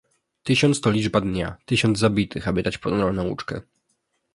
Tysiąc to liczba dnia, tysiąc zabitych, aby dać ponurą nauczkę